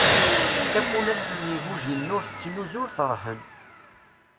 Tafunast n yigujilen ur t tettnuzu ur trehhen.